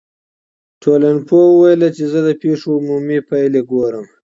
ټولنپوه وویل چي زه د پیښو عمومي پایلي ګورم.